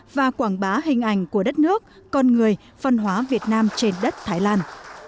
và quảng bá hình ảnh của đất nước con người văn hóa việt nam trên đất thái lan